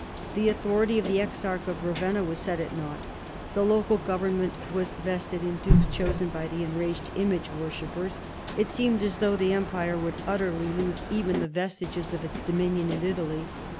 The authority of the Exarch of Ravenna was set at naught ; the local government was vested in dukes chosen by the en raged image worshippers ; it seemed as though the empire would utterly lose even the vestiges of its PIPPIN, KING OF THE FRANKS. 83 dominion in Italy.